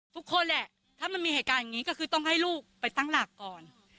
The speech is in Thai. ทุกคนแหละถ้ามันมีเหตุการณ์อย่างนี้ก็คือต้องให้ลูกไปตั้งหลักก่อน